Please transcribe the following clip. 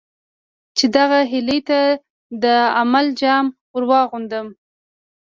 چې دغه هیلې ته د عمل جامه ور واغوندم.